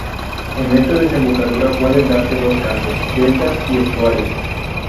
En esta desembocadura pueden darse dos casos: delta y estuario.